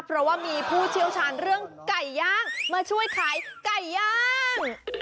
เพราะว่ามีผู้เชี่ยวชาญเรื่องไก่ย่างมาช่วยขายไก่ย่าง